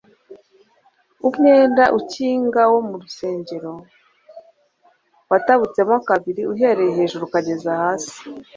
umwenda ukinga wo mu rusengero watabutsemo kabiri uhereye hejuru ukageza hasi